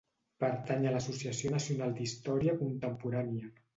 Pertany a l'Associació Nacional d'Història Contemporània.